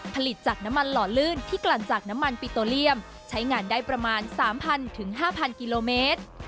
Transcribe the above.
ผลิตจากน้ำมันหล่อลื่นที่กลั่นจากน้ำมันปิโตเลียมใช้งานได้ประมาณ๓๐๐๕๐๐กิโลเมตร